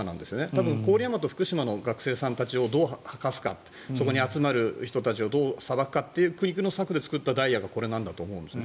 多分、郡山と福島の学生さんたちをどうするかそこに集まる人をどうさばくかという苦肉の策で作ったのがこれなんだと思うんです。